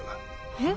えっ！？